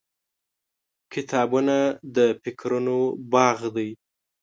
• کتابونه د فکرونو باغ دی.